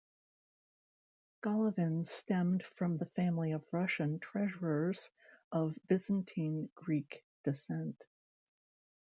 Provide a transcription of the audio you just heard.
Golovin stemmed from the family of Russian treasurers of Byzantine Greek descent.